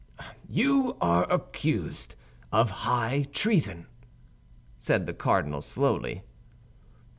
"You are accused of high treason," said the cardinal, slowly.